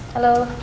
halo salam kenal